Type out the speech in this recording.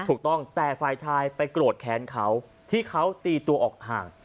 ถูกต้องแต่ฝ่ายชายไปโกรธแค้นเขาที่เขาตีตัวออกห่าง